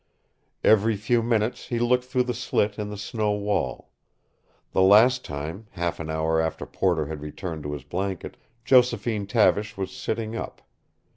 Every few minutes he looked through the slit in the snow wall. The last time, half an hour after Porter had returned to his blanket, Josephine Tavish was sitting up.